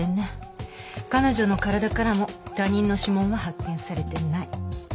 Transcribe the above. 彼女の体からも他人の指紋は発見されてない。